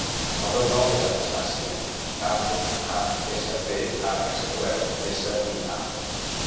El meu nom és Anastàsia: a, ena, a, essa, te, a amb accent obert, essa, i, a.